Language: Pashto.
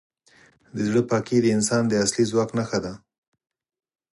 د زړه پاکي د انسان د اصلي ځواک نښه ده.